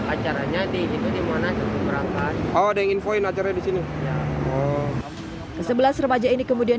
acaranya di situ dimana cukup berapa ada yang infoin acara di sini sebelah seremaja ini kemudian